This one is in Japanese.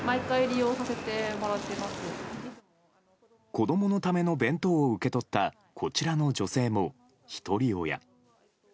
子供のための弁当を受け取ったこちらの女性も、ひとり親。